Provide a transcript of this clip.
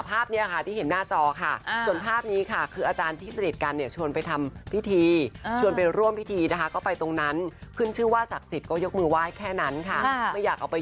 ไปลองฟังมุมมองมุมหนึ่งของคุณกะแต้กันหน่อยค่ะ